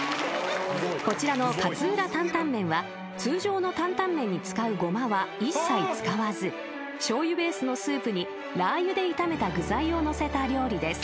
［こちらの勝浦タンタンメンは通常の担々麺に使うゴマは一切使わずしょうゆベースのスープにラー油で炒めた具材をのせた料理です］